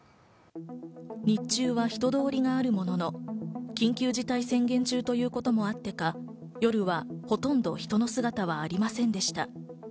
日中は人通りがあるものの緊急事態宣言中ということもあってか、夜はほとんど人の姿はありませんでした。